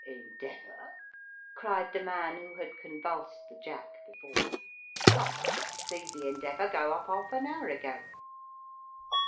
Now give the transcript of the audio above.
" Endeavour !" cried the man who had convulsed the " Jack " before. " Vy, I see the Endeavour go up half an hour ago."